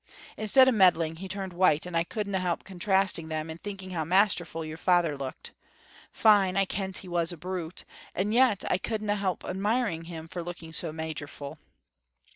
Instead o' meddling he turned white, and I couldna help contrasting them, and thinking how masterful your father looked. Fine I kent he was a brute, and yet I couldna help admiring him for looking so magerful.